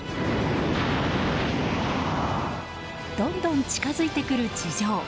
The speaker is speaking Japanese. どんどん近づいてくる地上。